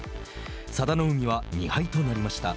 佐田の海は２敗となりました。